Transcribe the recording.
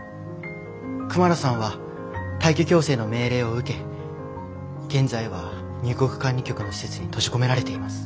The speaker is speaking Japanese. クマラさんは退去強制の命令を受け現在は入国管理局の施設に閉じ込められています。